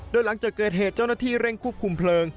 โดยหลังจากเกิดเหตุเจ้าหน้าที่เร่งควบคุมเพลิง